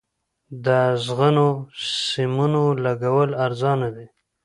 د اغزنو سیمونو لګول ارزانه دي؟